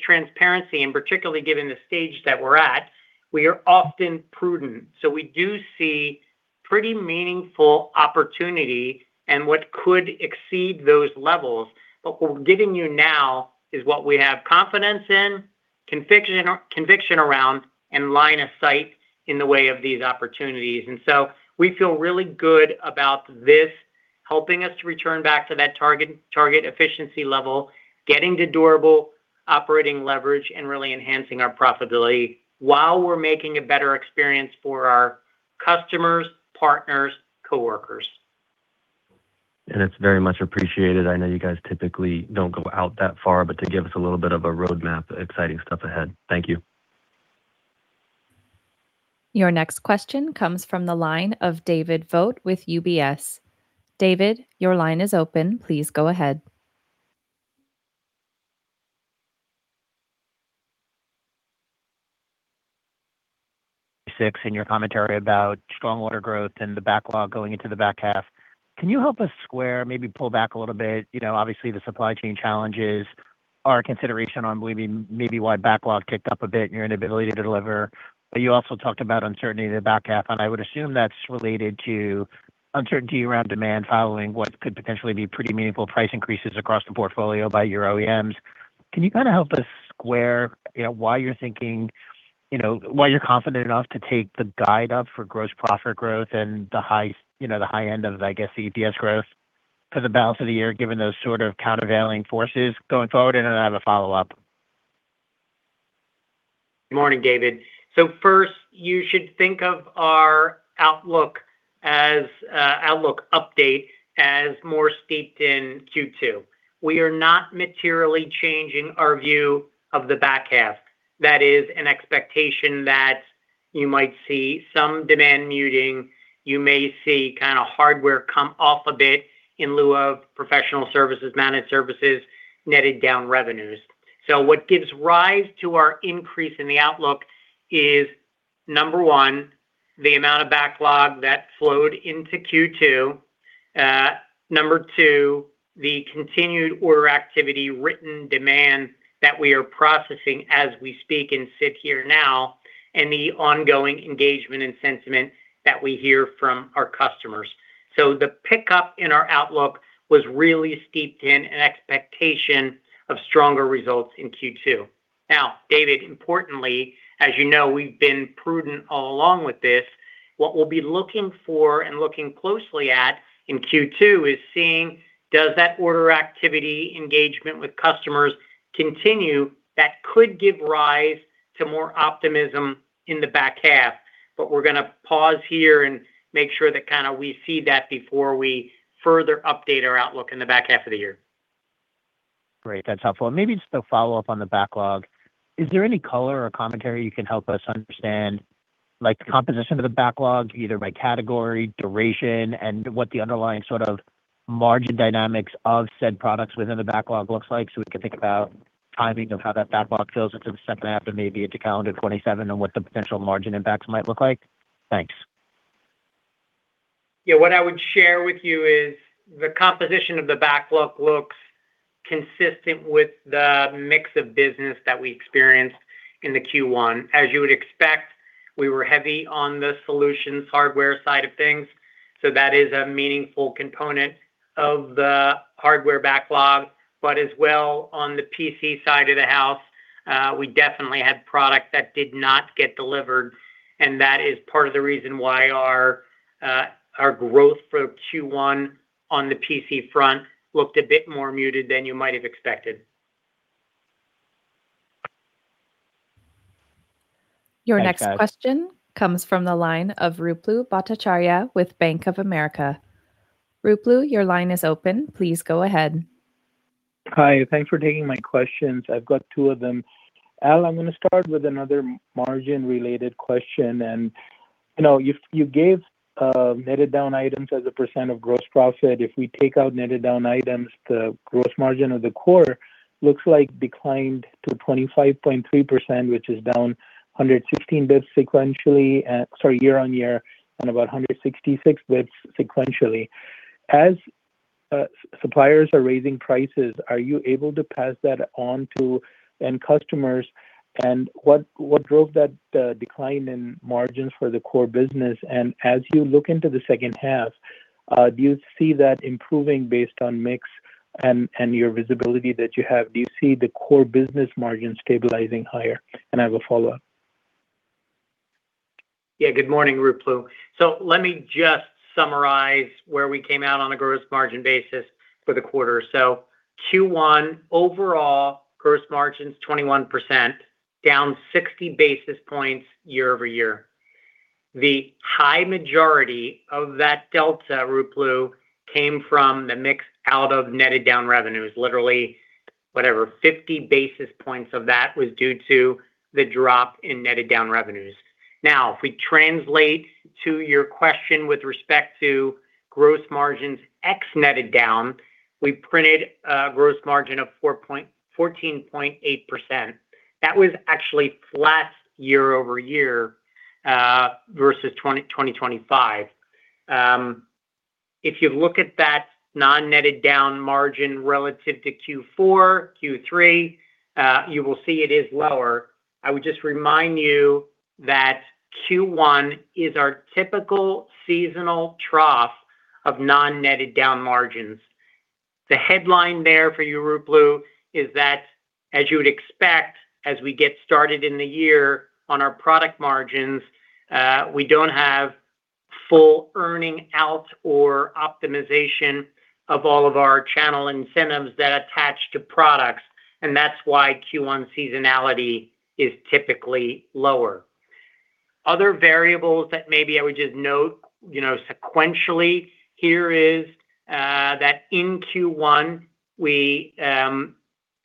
transparency, and particularly given the stage that we're at, we are often prudent. We do see pretty meaningful opportunity and what could exceed those levels. What we're giving you now is what we have confidence in, conviction around and line of sight in the way of these opportunities. We feel really good about this helping us to return back to that target efficiency level, getting to durable operating leverage, and really enhancing our profitability while we're making a better experience for our customers, partners, coworkers. It's very much appreciated. I know you guys typically don't go out that far, but to give us a little bit of a roadmap, exciting stuff ahead. Thank you. Your next question comes from the line of David Vogt with UBS. David, your line is open. Please go ahead. Six in your commentary about strong order growth and the backlog going into the back half. Can you help us square, maybe pull back a little bit? You know, obviously, the supply chain challenges are a consideration on believing maybe why backlog ticked up a bit and your inability to deliver. But you also talked about uncertainty in the back half, and I would assume that's related to uncertainty around demand following what could potentially be pretty meaningful price increases across the portfolio by your OEMs. Can you kind of help us square, you know, why you're thinking, you know, why you're confident enough to take the guide up for gross profit growth and the high, you know, the high end of, I guess, the EPS growth for the balance of the year, given those sort of countervailing forces going forward? I have a follow-up. Morning, David. First, you should think of our outlook as outlook update as more steeped in Q2. We are not materially changing our view of the back half. That is an expectation that you might see some demand muting. You may see kind of hardware come off a bit in lieu of professional services, managed services, netted down revenues. What gives rise to our increase in the outlook is, number one, the amount of backlog that flowed into Q2. Number two, the continued order activity, written demand that we are processing as we speak and sit here now, and the ongoing engagement and sentiment that we hear from our customers. The pickup in our outlook was really steeped in an expectation of stronger results in Q2. David, importantly, as you know, we've been prudent all along with this. What we'll be looking for and looking closely at in Q2 is seeing does that order activity engagement with customers continue, that could give rise to more optimism in the back half. We're gonna pause here and make sure that kinda we see that before we further update our outlook in the back half of the year. Great. That's helpful. Maybe just a follow-up on the backlog. Is there any color or commentary you can help us understand, like composition of the backlog, either by category, duration, and what the underlying sort of margin dynamics of said products within the backlog looks like, so we can think about timing of how that backlog fills into the second half and maybe into calendar 2027 and what the potential margin impacts might look like? Thanks. Yeah. What I would share with you is the composition of the backlog looks consistent with the mix of business that we experienced in the Q1. As you would expect, we were heavy on the solutions hardware side of things, so that is a meaningful component of the hardware backlog. As well, on the PC side of the house, we definitely had product that did not get delivered, and that is part of the reason why our growth for Q1 on the PC front looked a bit more muted than you might have expected. Thanks, Al. Your next question comes from the line of Ruplu Bhattacharya with Bank of America. Ruplu, your line is open. Please go ahead. Hi. Thanks for taking my questions. I've got two of them. Al, I'm gonna start with another margin-related question. You know, you gave netted down items as a percent of gross profit. If we take out netted down items, the gross margin of the core looks like declined to 25.3%, which is down 116 basis points sequentially. Sorry, year-on-year, about 166 basis points sequentially. As suppliers are raising prices, are you able to pass that on to end customers? What drove that decline in margins for the core business? As you look into the second half, do you see that improving based on mix and your visibility that you have? Do you see the core business margin stabilizing higher? I have a follow-up. Yeah. Good morning, Ruplu. Let me just summarize where we came out on a gross margin basis for the quarter. Q1 overall gross margin is 21%, down 60 basis points year-over-year. The high majority of that delta, Ruplu, came from the mix out of netted down revenues. Literally, whatever 50 basis points of that was due to the drop in netted down revenues. Now, if we translate to your question with respect to gross margins ex netted down, we printed a gross margin of 14.8%. That was actually flat year-over-year versus 2025. If you look at that non-netted down margin relative to Q4, Q3, you will see it is lower. I would just remind you that Q1 is our typical seasonal trough of non-netted down margins. The headline there for you, Ruplu, is that, as you would expect, as we get started in the year on our product margins, we don't have full earning out or optimization of all of our channel incentives that attach to products, and that's why Q1 seasonality is typically lower. Other variables that maybe I would just note, you know, sequentially here is that in Q1 we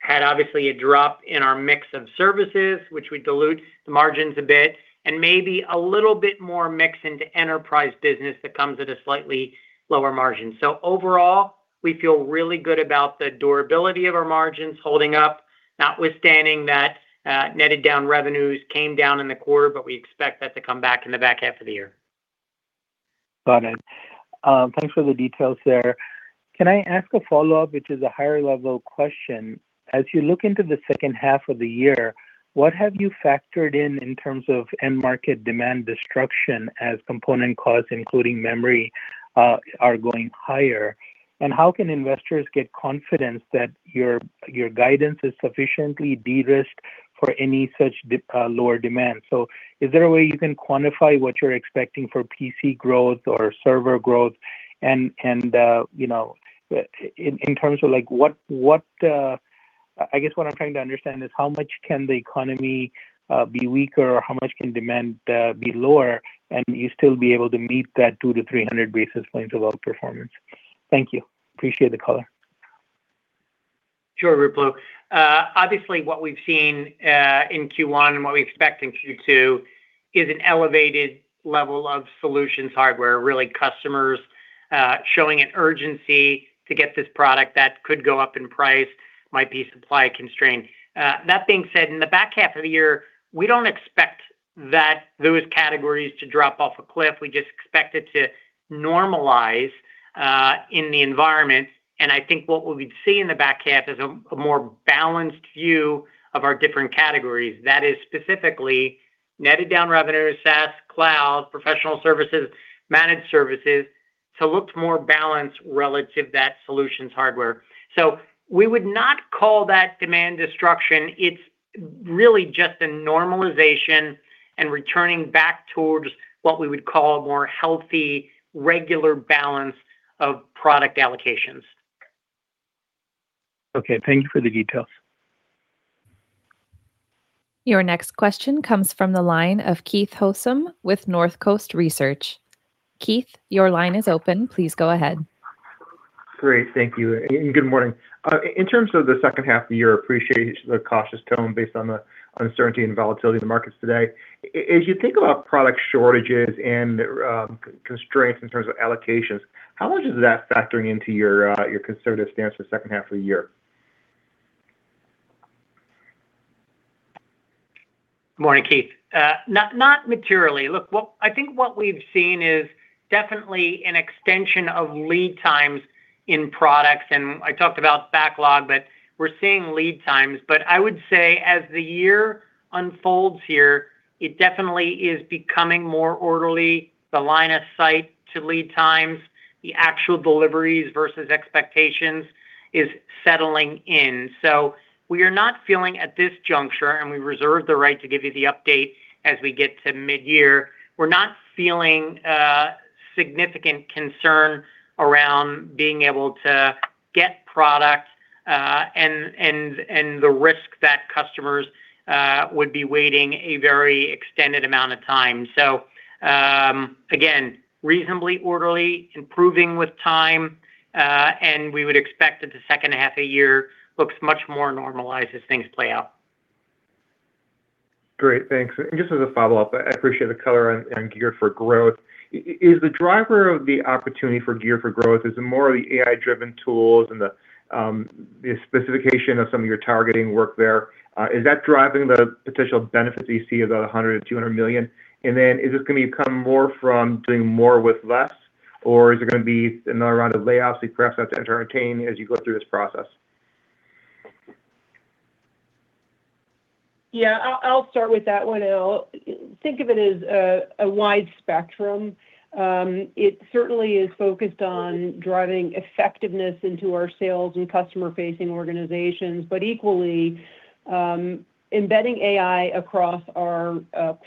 had obviously a drop in our mix of services, which would dilute the margins a bit and maybe a little bit more mix into enterprise business that comes at a slightly lower margin. Overall, we feel really good about the durability of our margins holding up, notwithstanding that netted down revenues came down in the quarter, but we expect that to come back in the back half of the year. Got it. Thanks for the details there. Can I ask a follow-up, which is a higher-level question? As you look into the second half of the year, what have you factored in in terms of end market demand destruction as component costs, including memory, are going higher. How can investors get confidence that your guidance is sufficiently de-risked for any such lower demand? Is there a way you can quantify what you're expecting for PC growth or server growth and, you know, in terms of like what, I guess what I'm trying to understand is how much can the economy, be weaker or how much can demand, be lower and you still be able to meet that 200-300 basis points of outperformance? Thank you. Appreciate the call. Sure, Ruplu. Obviously what we've seen in Q1 and what we expect in Q2 is an elevated level of solutions hardware, really customers showing an urgency to get this product that could go up in price, might be supply constrained. That being said, in the back half of the year, we don't expect that those categories to drop off a cliff. We just expect it to normalize in the environment. I think what we'd see in the back half is a more balanced view of our different categories. That is specifically netted down revenues, SaaS, cloud, professional services, managed services, to look more balanced relative to that solutions hardware. We would not call that demand destruction. It's really just a normalization and returning back towards what we would call a more healthy, regular balance of product allocations. Okay. Thank you for the details. Your next question comes from the line of Keith Housum with Northcoast Research. Keith, your line is open. Please go ahead. Great, thank you, and good morning. In terms of the second half of the year, appreciate the cautious tone based on the uncertainty and volatility of the markets today. As you think about product shortages and constraints in terms of allocations, how much is that factoring into your conservative stance for the second half of the year? Morning, Keith. not materially. Look, I think what we've seen is definitely an extension of lead times in products, and I talked about backlog, but we're seeing lead times. I would say as the year unfolds here, it definitely is becoming more orderly, the line of sight to lead times, the actual deliveries versus expectations is settling in. We are not feeling at this juncture, and we reserve the right to give you the update as we get to midyear, we're not feeling significant concern around being able to get product, and the risk that customers would be waiting a very extended amount of time. Again, reasonably orderly, improving with time, and we would expect that the second half of the year looks much more normalized as things play out. Great. Thanks. Just as a follow-up, I appreciate the color on Geared for Growth. Is the driver of the opportunity for Geared for Growth is more of the AI-driven tools and the specification of some of your targeting work there, is that driving the potential benefits you see of the $100 million, $200 million? Is this gonna become more from doing more with less, or is it gonna be another round of layoffs you perhaps have to entertain as you go through this process? Yeah. I'll start with that one, Al. Think of it as a wide spectrum. It certainly is focused on driving effectiveness into our sales and customer-facing organizations. Equally, embedding AI across our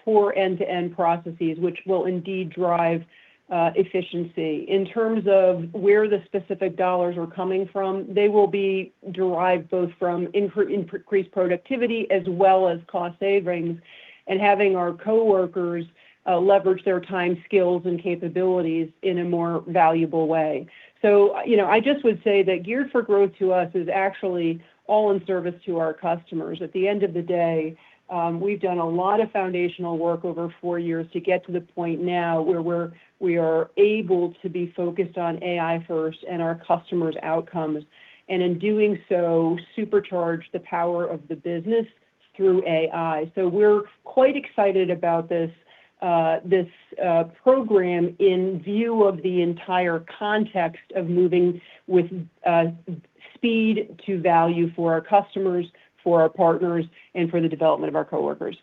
core end-to-end processes, which will indeed drive efficiency. In terms of where the specific dollars are coming from, they will be derived both from increased productivity as well as cost savings and having our coworkers leverage their time, skills, and capabilities in a more valuable way. You know, I just would say that Geared for Growth to us is actually all in service to our customers. At the end of the day, we've done a lot of foundational work over four years to get to the point now where we are able to be focused on AI first and our customers' outcomes, and in doing so, supercharge the power of the business through AI. We're quite excited about this program in view of the entire context of moving with speed to value for our customers, for our partners, and for the development of our coworkers.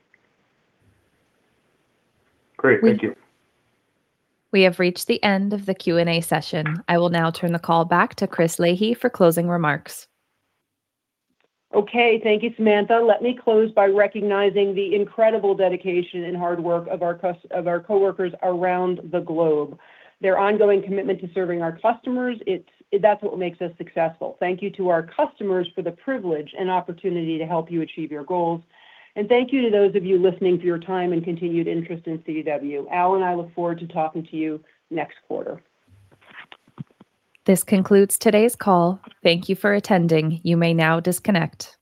Great. Thank you. We have reached the end of the Q&A session. I will now turn the call back to Chris Leahy for closing remarks. Okay. Thank you, Samantha. Let me close by recognizing the incredible dedication and hard work of our coworkers around the globe. Their ongoing commitment to serving our customers, that's what makes us successful. Thank you to our customers for the privilege and opportunity to help you achieve your goals. Thank you to those of you listening for your time and continued interest in CDW. Al and I look forward to talking to you next quarter. This concludes today's call. Thank you for attending. You may now disconnect.